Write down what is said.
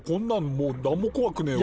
もうなんもこわくねえわ。